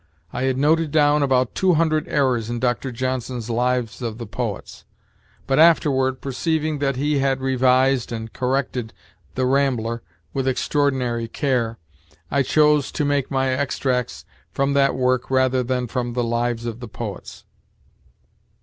I had noted down about two hundred errors in Dr. Johnson's 'Lives of the Poets'; but, afterward perceiving that he had revised and corrected 'The Rambler' with extraordinary care, I chose to make my extracts from that work rather than from the 'Lives of the Poets.'"